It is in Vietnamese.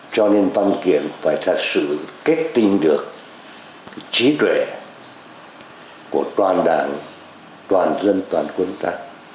cho nên văn kiện phải thật sự kết tinh được trí tuệ của toàn đảng toàn dân toàn quân ta